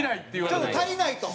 ちょっと足りないと。